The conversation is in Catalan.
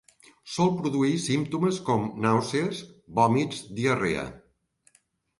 Sol produir símptomes com: nàusees, vòmits, diarrea.